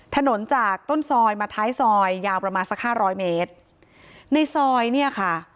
ถนนจากต้นซอยมาท้ายซอยยาวประมาณสักห้าร้อยเมตรในซอยเนี่ยค่ะ